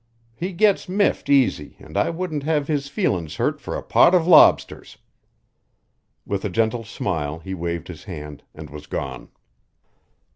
He gets miffed easy an' I wouldn't have his feelin's hurt fur a pot of lobsters." With a gentle smile he waved his hand and was gone.